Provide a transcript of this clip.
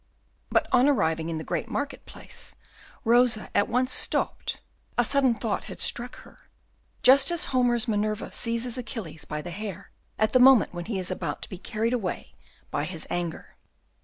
But on arriving in the great market place Rosa at once stopped, a sudden thought had struck her, just as Homer's Minerva seizes Achilles by the hair at the moment when he is about to be carried away by his anger.